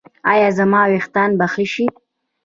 ایا زما ویښتان به ښه شي؟